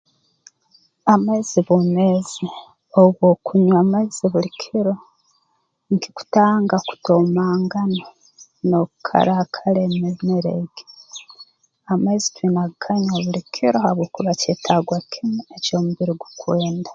Amaizi bwomeezi obu okunywa amaizi buli kiro nkikutanga kutoomangana n'okukaraakara emibiri egi amaizi twine kuganywa buli kiro habwokuba kyetaagwa kimu ha ky'omubiri gukwenda